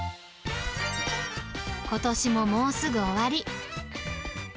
ことしももうすぐ終わり。